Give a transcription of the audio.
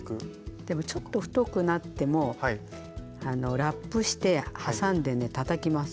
でもちょっと太くなってもラップしてはさんでねたたきます。